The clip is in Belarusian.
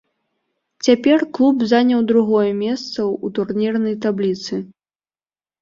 Цяпер клуб заняў другое месца ў турнірнай табліцы.